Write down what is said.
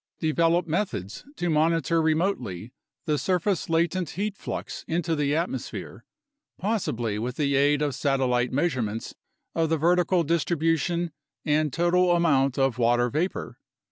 Develop methods to monitor remotely the surface latent heat flux into the atmosphere, possibly with the aid of satellite measurements of the vertical distribution and total amount of water vapor.